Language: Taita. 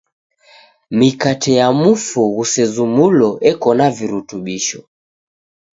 Mikate ya mufu ghusezumulo eko na virutubisho.